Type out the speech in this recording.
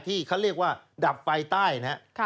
ที่เขาเรียกว่าดับไฟใต้นะครับ